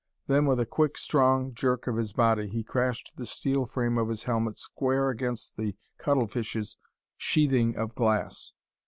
Then, with a quick, strong jerk of his body he crashed the steel frame of his helmet square against the cuttlefish's sheathing of glass.